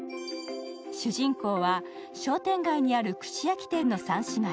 主人公は商店街にある串焼き店の三姉妹。